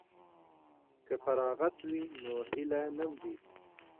که فراغت وي نو هیله نه مري.